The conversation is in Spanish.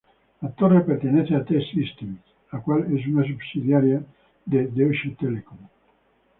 La torre pertenece a T-Systems, la cual es una subsidiaria de Deutsche Telekom.